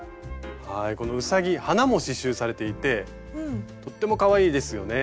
このうさぎ花も刺しゅうされていてとってもかわいいですよね。